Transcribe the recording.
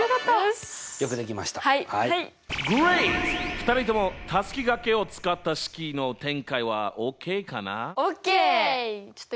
２人ともたすきがけを使った式の展開はＯＫかな？ＯＫ！